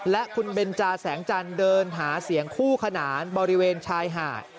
และคุณเบนจาแสงจันทร์เดินหาเสียงคู่ขนานบริเวณชายหาด